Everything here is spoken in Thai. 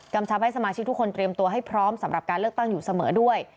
ชับให้สมาชิกทุกคนเตรียมตัวให้พร้อมสำหรับการเลือกตั้งอยู่เสมอด้วย